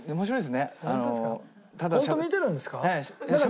ホント見てるんですか？